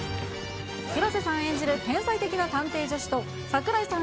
広瀬さん演じる、天才的な探偵助手と、櫻井さん